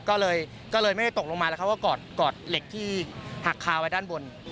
ก็เลยไม่ได้ตกลงมาแล้วเขาก็กอดเหล็กที่หักคาไว้ด้านบน